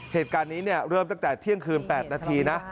เหตุการณ์นี้เริ่มตั้งแต่เที่ยงคืน๘นาทีนะ